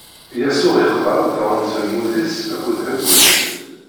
Yasuɛ ixebbeṛ-d daɣen s lmut-is akked ḥeggu-s.